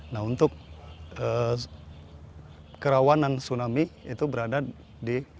nah untuk kerawanan tsunami itu berada di sumber gempa yang berada di samudera hindia